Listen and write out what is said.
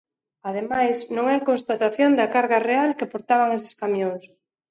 Ademais, non hai constatación da carga real que portaban eses camións.